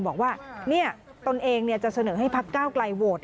บอกว่านี่ตนเองจะเสนอให้ภักดิ์เก้าไกลโหวต